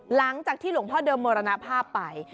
หลังจากที่หลวงพ่อเดิมมรณภาพไป